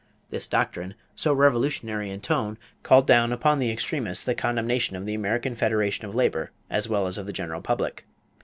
This doctrine, so revolutionary in tone, called down upon the extremists the condemnation of the American Federation of Labor as well as of the general public.